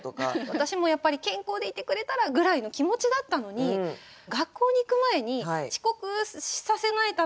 私もやっぱり健康でいてくれたらぐらいの気持ちだったのに学校に行く前に遅刻させないためにもうめちゃくちゃせかすんですよ。